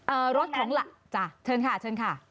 เอ่อรถของหลักจ้ะเชิญค่ะ